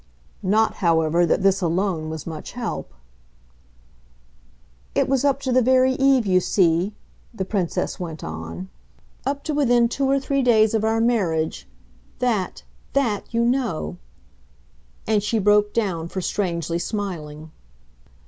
Not, however, that this alone was much help! "It was up to the very eve, you see," the Princess went on "up to within two or three days of our marriage. That, THAT, you know !" And she broke down for strangely smiling.